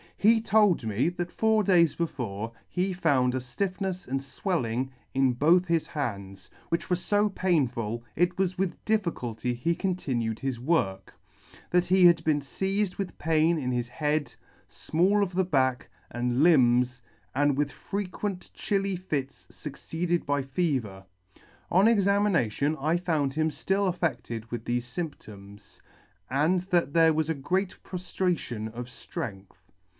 He told me, that four days before, he found a ftiffnefs and fwelling in both his hands, which w r ere fo painful, it was with difficulty he continued his work ; that he had been feized with pain in his head, fmall of the back, and limbs, and with frequent chilly fits fucceeded by fever. On examination I found him ftill affedted with thefe fymptoms, and that there was a great proftration of ftrength.